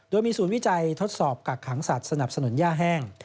โดยมีศูนย์วิจัยทดสอบกักขังสัตว์สนับสนุนย่าแห้ง